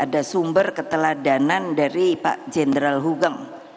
ada sumber keteladanan dari pak jenderal hugeng